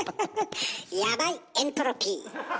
やばいエントロピー。